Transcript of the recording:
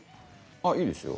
あぁいいですよ。